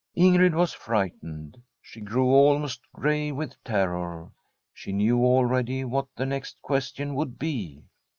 ' Ingrid was frightened. She grew almost gray with terror. She knew already what the next question would be.